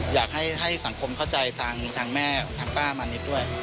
อยากให้สังคมเข้าใจทางแม่ทางป้ามานิดด้วย